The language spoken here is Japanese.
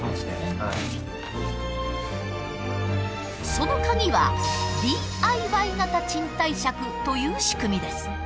そのカギはＤＩＹ型賃貸借という仕組みです。